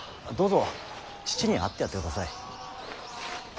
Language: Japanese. どうぞ父に会ってやってください。